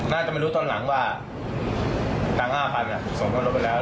น่าจะไม่รู้ตอนหลังว่าตังค์๕๐๐๐เนี่ยส่งตัวเราไปแล้ว